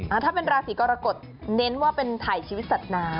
ถ้าเป็นราศีกรกฎเน้นว่าเป็นถ่ายชีวิตสัตว์น้ำ